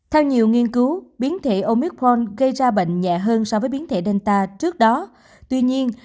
theo nhiều nghiên cứu biến thể omicron gây ra bệnh nhẹ hơn so với biến thể danta trước đó tuy nhiên